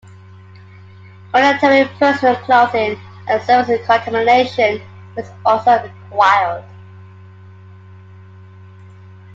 Monitoring personal, clothing, and surface contamination is also required.